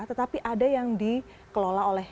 tetapi ada yang dikelola oleh